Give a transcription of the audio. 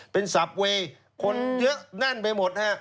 เป็นสับเวย์คนเยอะแน่นไปหมดฮะ